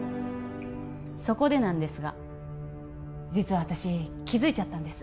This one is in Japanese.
そこでなんですが実は私気づいちゃったんです